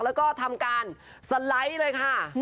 แล้วก็ทำการสไลด์เลยค่ะ